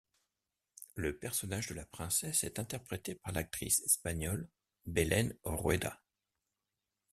Le personnage de la princesse est interprété par l'actrice espagnole Belén Rueda.